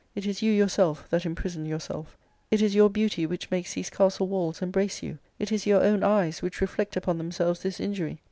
It is you yourself that imprison yourself ; it is your beauty^ ^ which makes these castle walls embrace you ; it is your own l^^/\^ eyes which reflect upon themselves this injury.